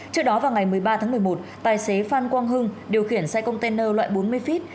trước đó vào ngày một mươi ba tháng một mươi một tài xế phan quang hưng điều khiển xe container loại bốn mươi feet